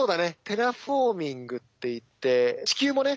テラフォーミングっていって地球もね